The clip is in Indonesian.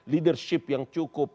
leadership yang cukup